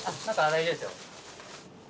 大丈夫ですよ。